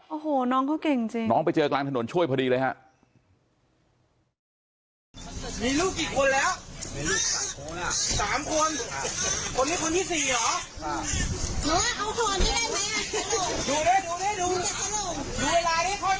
โอ้โหน้องเขาเก่งจริงน้องไปเจอกลางถนนช่วยพอดีเลยฮะ